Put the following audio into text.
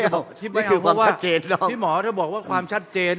ทำไมไม่เอานี่คือความชัดเจนพี่หมอเธอบอกว่าความชัดเจน